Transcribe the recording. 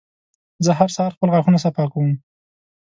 زه هر سهار خپل غاښونه صفا کوم.